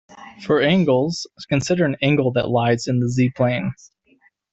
For angles, consider an angle that lies in the z-plane.